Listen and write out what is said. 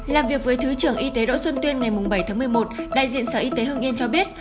làm việc với thứ trưởng y tế đỗ xuân tuyên ngày bảy tháng một mươi một đại diện sở y tế hương yên cho biết